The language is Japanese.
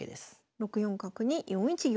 ６四角に４一玉。